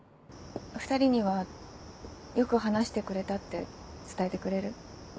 ２人にはよく話してくれたって伝えてくれる？